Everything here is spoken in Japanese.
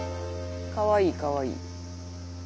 かわいいかわいい。